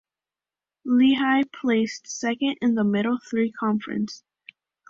Lehigh placed second in the Middle Three Conference.